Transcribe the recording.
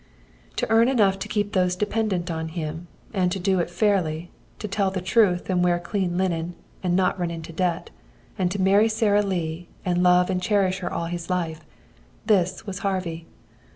To earn enough to keep those dependent on him, and to do it fairly; to tell the truth and wear clean linen and not run into debt; and to marry Sara Lee and love and cherish her all his life this was Harvey.